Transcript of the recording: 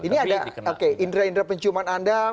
ini ada indera indera penciuman anda